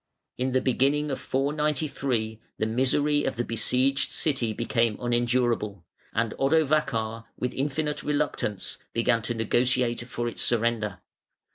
In the beginning of 493 the misery of the besieged city became unendurable, and Odovacar, with infinite reluctance, began to negotiate for its surrender.